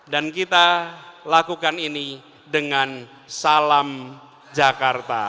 dan kita lakukan ini dengan salam jakarta